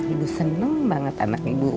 ibu seneng banget anak ibu